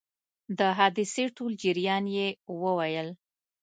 د حادثې ټول جریان یې وویل.